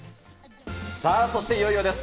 そしていよいよです。